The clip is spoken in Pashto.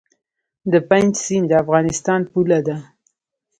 د پنج سیند د افغانستان پوله ده